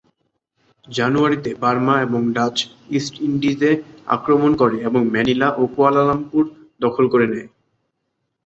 জানুয়ারিতে বার্মা এবং Dutch East ইন্ডিজে আক্রমণ করে এবং ম্যানিলা ও কুয়ালালামপুর দখল করে নেয়।